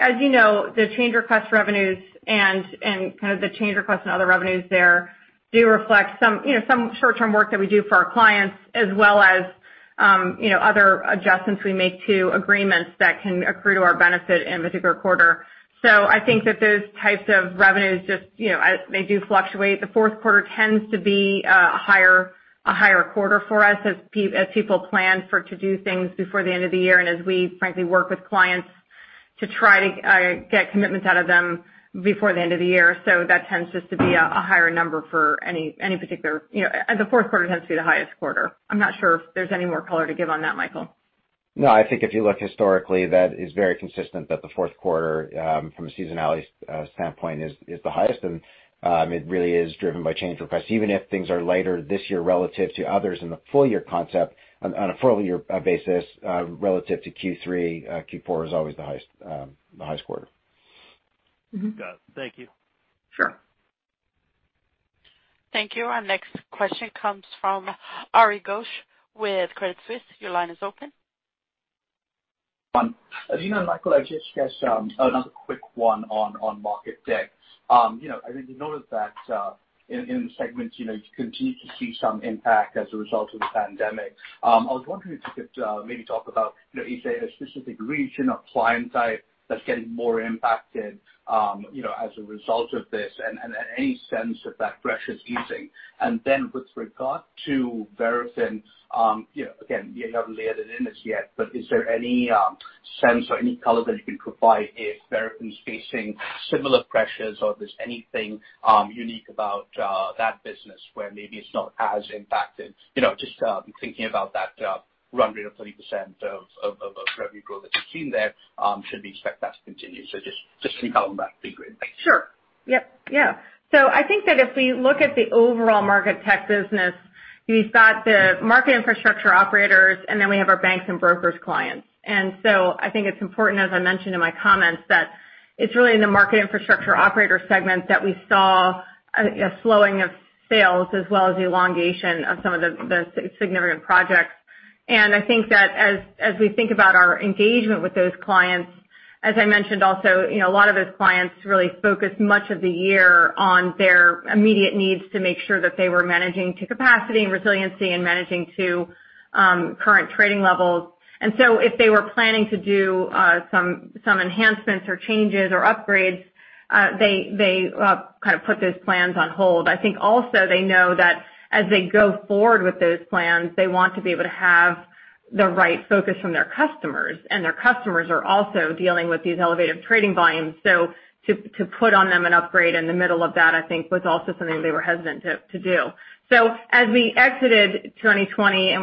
As you know, the change request revenues and kind of the change request and other revenues there do reflect some short-term work that we do for our clients as well as other adjustments we make to agreements that can accrue to our benefit in a particular quarter. I think that those types of revenues just they do fluctuate. The fourth quarter tends to be a higher quarter for us as people plan to do things before the end of the year, and as we frankly work with clients to try to get commitments out of them before the end of the year. That tends just to be a higher number. The fourth quarter tends to be the highest quarter. I'm not sure if there's any more color to give on that, Michael. No, I think if you look historically, that is very consistent that the fourth quarter, from a seasonality standpoint, is the highest. It really is driven by change requests. Even if things are lighter this year relative to others in the full year concept on a full year basis relative to Q3, Q4 is always the highest quarter. Got it. Thank you. Sure. Thank you. Our next question comes from Ari Ghosh with Credit Suisse. Your line is open. Ari. Adena and Michael, I just guess another quick one on Market Tech. I did notice that in the segments, you continue to see some impact as a result of the pandemic. I was wondering if you could maybe talk about, is there a specific region or client type that's getting more impacted as a result of this, and any sense that that pressure's easing? Then with regard to Verafin, again, you haven't laid it in this yet, but is there any sense or any color that you can provide if Verafin's facing similar pressures or there's anything unique about that business where maybe it's not as impacted? Just thinking about that run rate of 30% of revenue growth that you've seen there, should we expect that to continue? Just any color on that would be great. Thanks. Sure. Yep. Yeah. I think that if we look at the overall Market Tech business, we've got the market infrastructure operators, and then we have our banks and brokers clients. I think it's important, as I mentioned in my comments, that it's really in the market infrastructure operator segment that we saw a slowing of sales as well as elongation of some of the significant projects. I think that as we think about our engagement with those clients, as I mentioned also, a lot of those clients really focus much of the year on their immediate needs to make sure that they were managing to capacity and resiliency and managing to current trading levels. If they were planning to do some enhancements or changes or upgrades, they kind of put those plans on hold. I think also they know that as they go forward with those plans, they want to be able to have the right focus from their customers, and their customers are also dealing with these elevated trading volumes. To put on them an upgrade in the middle of that, I think was also something they were hesitant to do. As we exited 2020, and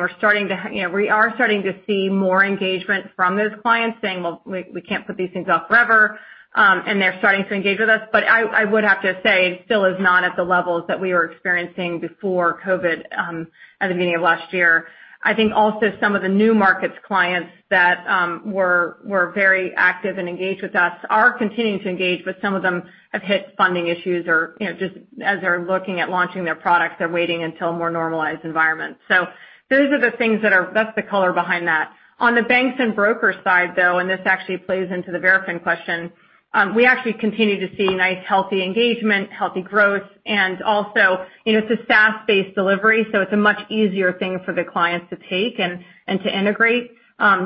we are starting to see more engagement from those clients saying, "Well, we can't put these things off forever," and they're starting to engage with us, but I would have to say it still is not at the levels that we were experiencing before COVID at the beginning of last year. I think also some of the new markets clients that were very active and engaged with us are continuing to engage, but some of them have hit funding issues or just as they're looking at launching their products, they're waiting until a more normalized environment. Those are the things that's the color behind that. On the banks and brokers side, though, and this actually plays into the Verafin question, we actually continue to see nice, healthy engagement, healthy growth, and also it's a SaaS-based delivery, so it's a much easier thing for the clients to take and to integrate,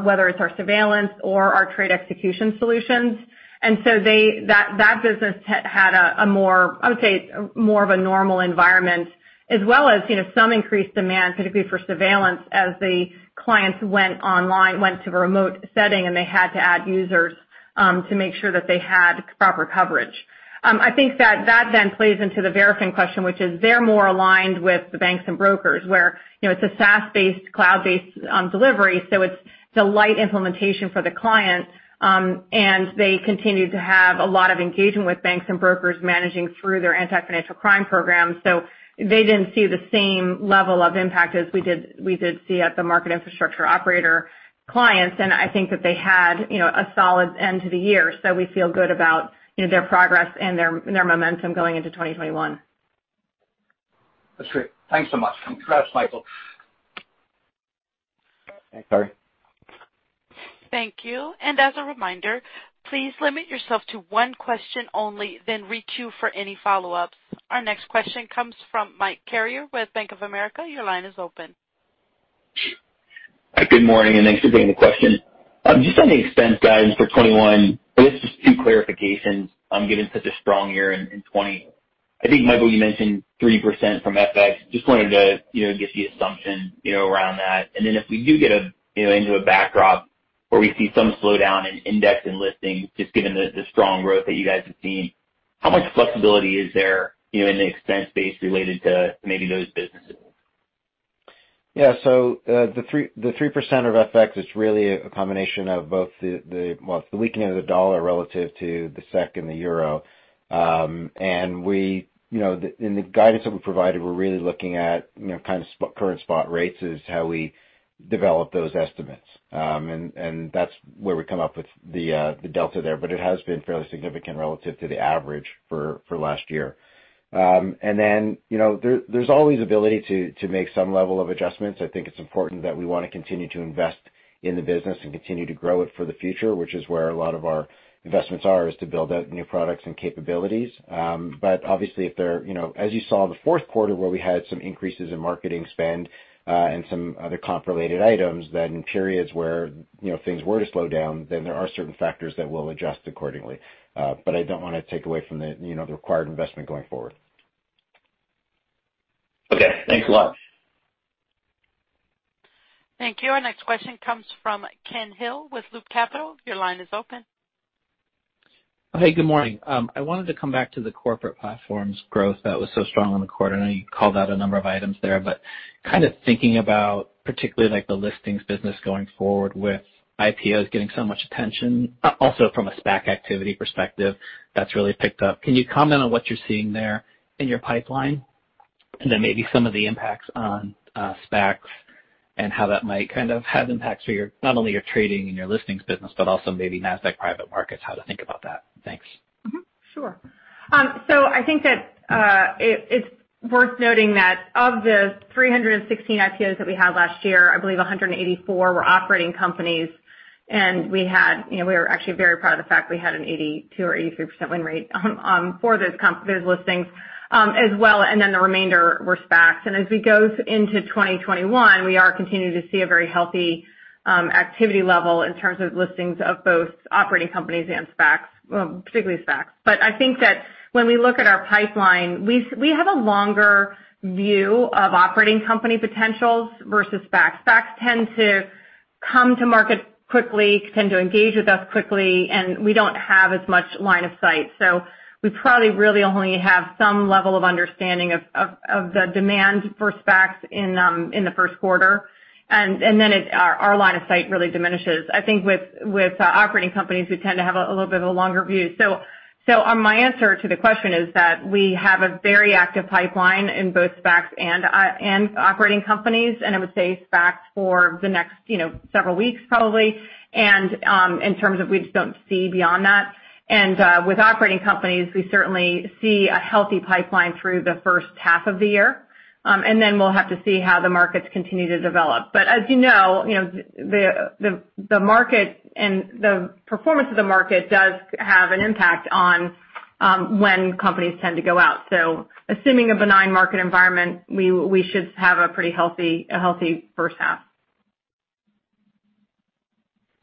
whether it's our surveillance or our trade execution solutions. That business had, I would say, more of a normal environment as well as some increased demand, particularly for surveillance as the clients went online, went to a remote setting, and they had to add users to make sure that they had proper coverage. I think that plays into the Verafin question, which is they're more aligned with the banks and brokers, where it's a SaaS-based, cloud-based delivery, so it's a light implementation for the client, and they continue to have a lot of engagement with banks and brokers managing through their anti-financial crime program. They didn't see the same level of impact as we did see at the market infrastructure operator clients. I think that they had a solid end to the year. We feel good about their progress and their momentum going into 2021. That's great. Thanks so much. Congrats, Michael. Thanks, Ari. Thank you. As a reminder, please limit yourself to one question only, queue for any follow-ups. Our next question comes from Mike Carrier with Bank of America. Your line is open. Hi, good morning, and thanks for taking the question. Just on the expense guidance for 2021, I guess just two clarifications given such a strong year in 2020. I think, Michael, you mentioned 3% from FX. Just wanted to get the assumption around that. If we do get into a backdrop where we see some slowdown in index and listings, just given the strong growth that you guys have seen, how much flexibility is there in the expense base related to maybe those businesses? Yeah. The 3% of FX is really a combination of both the weakening of the dollar relative to the SEK and the euro. In the guidance that we provided, we're really looking at kind of current spot rates is how we develop those estimates. That's where we come up with the delta there. It has been fairly significant relative to the average for last year. There's always ability to make some level of adjustments. I think it's important that we want to continue to invest in the business and continue to grow it for the future, which is where a lot of our investments are, is to build out new products and capabilities. Obviously, as you saw in the fourth quarter, where we had some increases in marketing spend and some other comp-related items, then in periods where things were to slow down, then there are certain factors that will adjust accordingly. I don't want to take away from the required investment going forward. Okay, thanks a lot. Thank you. Our next question comes from Ken Hill with Loop Capital. Your line is open. Hey, good morning. I wanted to come back to the Corporate Platforms growth that was so strong in the quarter. I know you called out a number of items there, thinking about particularly like the listings business going forward with IPOs getting so much attention, also from a SPAC activity perspective, that's really picked up. Can you comment on what you're seeing there in your pipeline? Maybe some of the impacts on SPACs and how that might have impacts for not only your trading and your listings business, but also maybe Nasdaq Private Market, how to think about that? Thanks. Sure. I think that it's worth noting that of the 316 IPOs that we had last year, I believe 184 were operating companies. We were actually very proud of the fact we had an 82% or 83% win rate for those listings, as well, the remainder were SPACs. As we go into 2021, we are continuing to see a very healthy activity level in terms of listings of both operating companies and SPACs. Well, particularly SPACs. I think that when we look at our pipeline, we have a longer view of operating company potentials versus SPACs. SPACs tend to come to market quickly, tend to engage with us quickly, and we don't have as much line of sight. We probably really only have some level of understanding of the demand for SPACs in the first quarter. Then our line of sight really diminishes. I think with operating companies, we tend to have a little bit of a longer view. My answer to the question is that we have a very active pipeline in both SPACs and operating companies, and I would say SPACs for the next several weeks probably, and in terms of we just don't see beyond that. With operating companies, we certainly see a healthy pipeline through the first half of the year. Then we'll have to see how the markets continue to develop. As you know, the market and the performance of the market does have an impact on when companies tend to go out. Assuming a benign market environment, we should have a pretty healthy first half.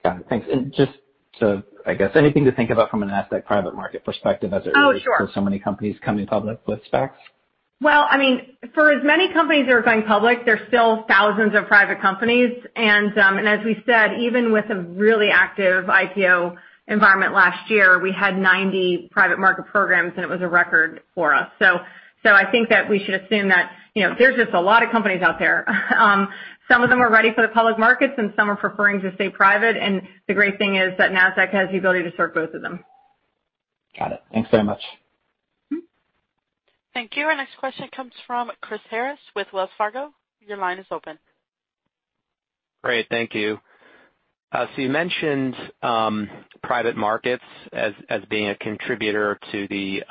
Got it. Thanks. Just to, I guess, anything to think about from a Nasdaq Private Market perspective as it. Oh, sure. relates to so many companies coming public with SPACs? Well, for as many companies that are going public, there's still thousands of private companies, and as we said, even with a really active IPO environment last year, we had 90 private market programs, and it was a record for us. I think that we should assume that there's just a lot of companies out there. Some of them are ready for the public markets, and some are preferring to stay private, and the great thing is that Nasdaq has the ability to serve both of them. Got it. Thanks very much. Thank you. Our next question comes from Chris Harris with Wells Fargo. Your line is open. Great. Thank you. You mentioned private markets as being a contributor to the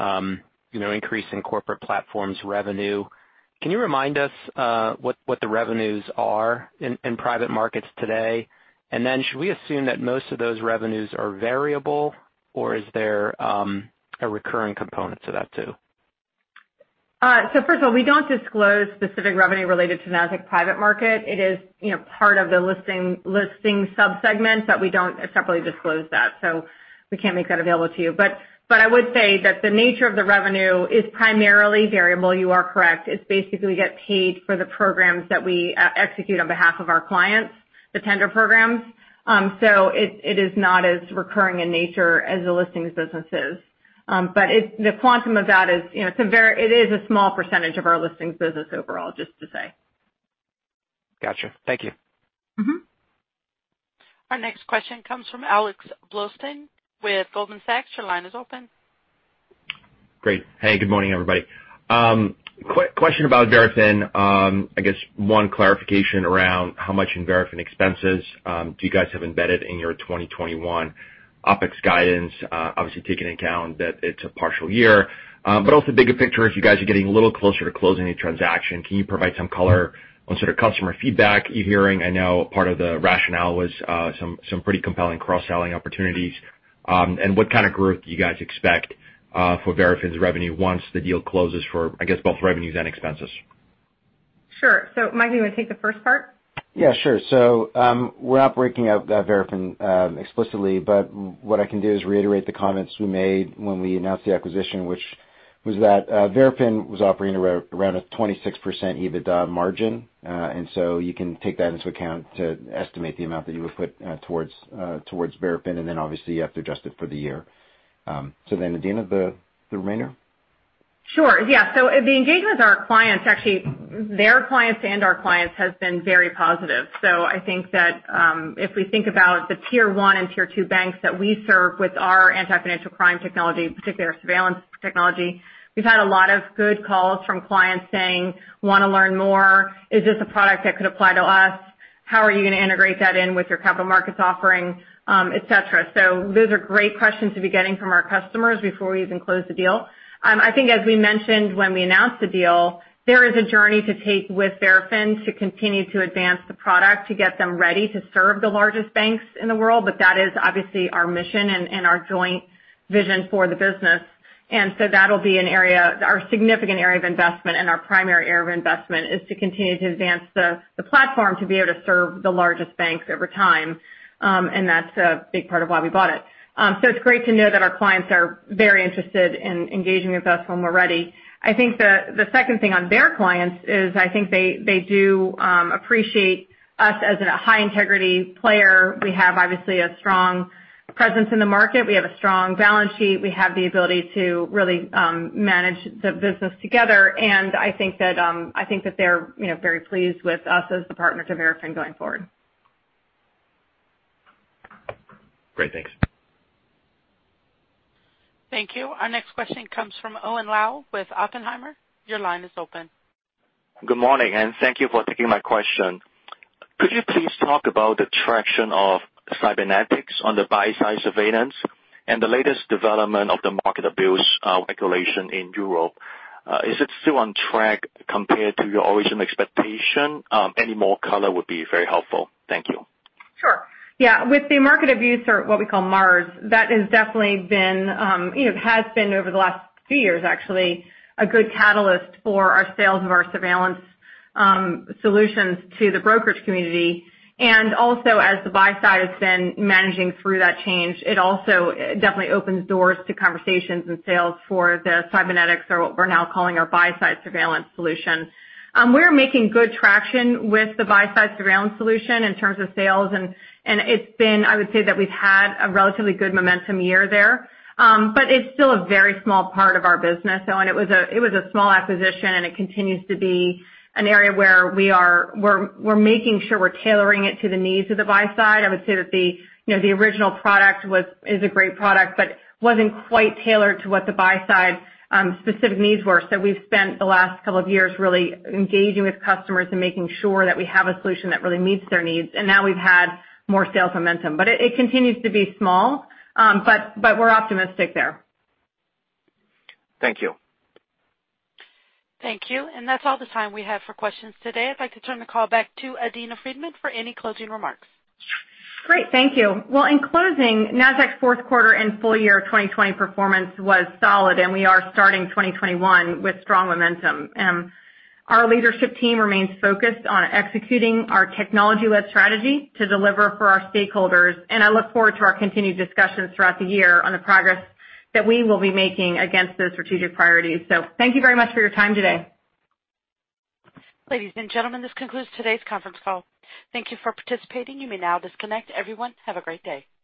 increase in Corporate Platforms revenue. Can you remind us what the revenues are in private markets today? Should we assume that most of those revenues are variable, or is there a recurring component to that, too? First of all, we don't disclose specific revenue related to Nasdaq Private Market. It is part of the listing sub-segments, but we don't separately disclose that, so we can't make that available to you. I would say that the nature of the revenue is primarily variable. You are correct. It's basically we get paid for the programs that we execute on behalf of our clients, the tender programs. It is not as recurring in nature as the listings business is. The quantum of that is a small percentage of our listings business overall, just to say. Gotcha. Thank you. Our next question comes from Alex Blostein with Goldman Sachs. Your line is open. Great. Hey, good morning, everybody. Question about Verafin. I guess one clarification around how much in Verafin expenses do you guys have embedded in your 2021 OpEx guidance? Obviously taking account that it's a partial year. Also bigger picture, if you guys are getting a little closer to closing a transaction, can you provide some color on sort of customer feedback you're hearing? I know part of the rationale was some pretty compelling cross-selling opportunities. What kind of growth do you guys expect for Verafin's revenue once the deal closes for, I guess, both revenues and expenses? Sure. Mike, do you want to take the first part? Yeah, sure. We're not breaking out Verafin explicitly, but what I can do is reiterate the comments we made when we announced the acquisition, which was that Verafin was operating around a 26% EBITDA margin. You can take that into account to estimate the amount that you would put towards Verafin, and then obviously you have to adjust it for the year. Adena, the remainder? Sure. Yeah. The engagement with our clients, actually their clients and our clients, has been very positive. I think that, if we think about the tier 1 and tier 2 banks that we serve with our anti-financial crime technology, particularly our surveillance technology, we've had a lot of good calls from clients saying, "Want to learn more. Is this a product that could apply to us? How are you going to integrate that in with your capital markets offering," et cetera. Those are great questions to be getting from our customers before we even close the deal. I think, as we mentioned when we announced the deal, there is a journey to take with Verafin to continue to advance the product to get them ready to serve the largest banks in the world. That is obviously our mission and our joint vision for the business. That will be our significant area of investment and our primary area of investment is to continue to advance the platform to be able to serve the largest banks over time. That's a big part of why we bought it. It's great to know that our clients are very interested in engaging with us when we're ready. I think the second thing on their clients is, I think they do appreciate us as a high-integrity player. We have, obviously, a strong presence in the market. We have a strong balance sheet. We have the ability to really manage the business together. I think that they're very pleased with us as the partner to Verafin going forward. Great. Thanks. Thank you. Our next question comes from Owen Lau with Oppenheimer. Your line is open. Good morning, thank you for taking my question. Could you please talk about the traction of Sybenetix on the buy-side surveillance and the latest development of the Market Abuse Regulation in Europe? Is it still on track compared to your original expectation? Any more color would be very helpful. Thank you. Sure. Yeah. With the Market Abuse, or what we call MAR, that has been over the last few years, actually, a good catalyst for our sales of our surveillance solutions to the brokerage community. Also, as the buy side has been managing through that change, it also definitely opens doors to conversations and sales for the Sybenetix or what we're now calling our buy-side surveillance solution. We're making good traction with the buy-side surveillance solution in terms of sales, and I would say that we've had a relatively good momentum year there. It's still a very small part of our business, Owen. It was a small acquisition, and it continues to be an area where we're making sure we're tailoring it to the needs of the buy side. I would say that the original product is a great product, but wasn't quite tailored to what the buy side specific needs were. We've spent the last couple of years really engaging with customers and making sure that we have a solution that really meets their needs. Now we've had more sales momentum. It continues to be small, but we're optimistic there. Thank you. Thank you. That's all the time we have for questions today. I'd like to turn the call back to Adena Friedman for any closing remarks. Great. Thank you. In closing, Nasdaq's fourth quarter and full year 2020 performance was solid, and we are starting 2021 with strong momentum. Our leadership team remains focused on executing our technology-led strategy to deliver for our stakeholders, and I look forward to our continued discussions throughout the year on the progress that we will be making against those strategic priorities. Thank you very much for your time today. Ladies and gentlemen, this concludes today's conference call. Thank you for participating. You may now disconnect. Everyone, have a great day.